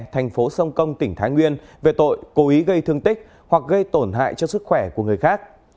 thành phố sông công tỉnh thái nguyên về tội cố ý gây thương tích hoặc gây tổn hại cho sức khỏe của người khác